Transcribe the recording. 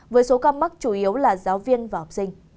với số ca mắc chủ yếu là giáo viên và học sinh